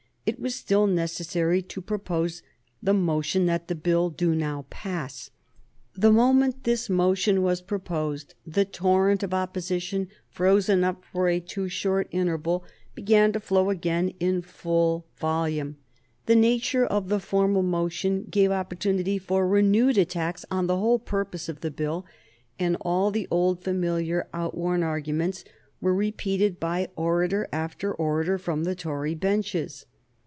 It was still necessary to propose the motion that the Bill do now pass. The moment this motion was proposed the torrent of opposition, frozen up for a too short interval, began to flow again in full volume. The nature of the formal motion gave opportunity for renewed attacks on the whole purpose of the Bill, and all the old, familiar, outworn arguments were repeated by orator after orator from the Tory benches.